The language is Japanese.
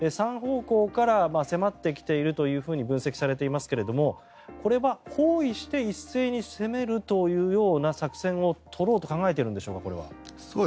３方向から迫ってきているというふうに分析されていますがこれは包囲して一斉に攻めるというような作戦を取ろうと考えているんでしょうか。